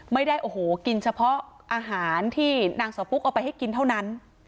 ไม่ได้โอ้โหกินเฉพาะอาหารที่นางสาวปุ๊กเอาไปให้กินเท่านั้น